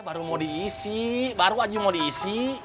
baru mau diisi baru aja mau diisi